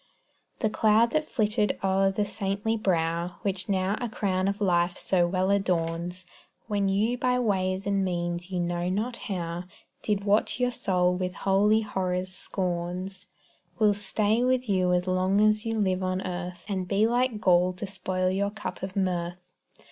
The cloud that flitted o'er the saintly brow Which now a crown of life so well adorns, When you by ways and means you know not now, Did what your soul with holy horror scorns, Will stay with you long as you live on earth, And be like gall to spoil your cup of mirth.